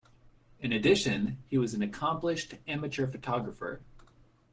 In addition, he was an accomplished amateur photographer.